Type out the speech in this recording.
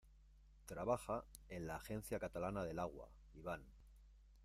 Trabaja en la Agencia Catalana del Agua, Iván.